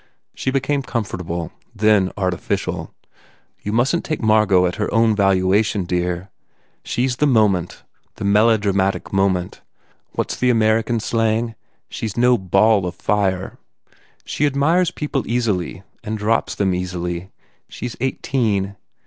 She became comfortable, then artificial. "You mustn t take Margot at her own valuation, dear. She s the moment the melodramatic moment. What s that American slang? She s no no ball of fire! She admires people easily and drops them easily. She s eighteen.